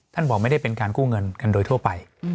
บอกไม่ได้เป็นการกู้เงินกันโดยทั่วไป